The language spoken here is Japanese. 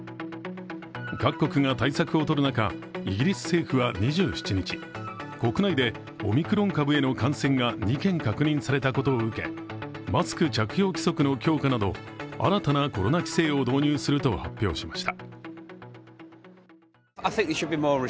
各国が対策を取る中、イギリス政府は２７日、国内でオミクロン株への感染が２件確認されたことを受けマスク着用規則の強化など新たなコロナ規制を導入すると発表しました。